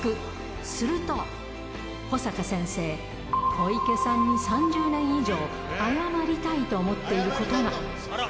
すると保坂先生、小池さんに３０年以上、謝りたいと思っていることが。